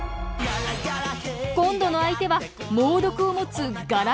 今度の相手は猛毒を持つガラガラヘビ。